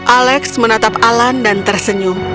alex menatap alan dan tersenyum